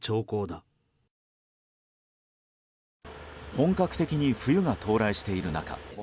本格的に冬が到来している中